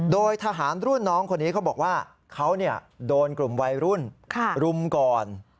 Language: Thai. โดยทหารรุ่นน้องคนนี้เขาบอกว่าเขาโดนกลุ่มวัยรุ่นรุมก่อน